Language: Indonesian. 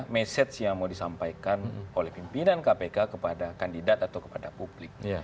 message yang mau disampaikan oleh pimpinan kpk kepada kandidat atau kepada publik